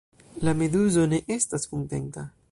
La meduzo ne estas kontenta.